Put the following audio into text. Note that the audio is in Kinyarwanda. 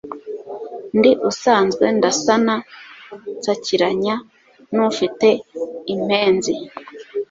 Ndi usanzwe ndasana nsakiranya, n'ufite impenzi,